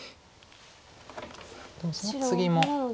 でもそのツギも。